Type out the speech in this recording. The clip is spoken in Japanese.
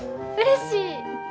うれしい。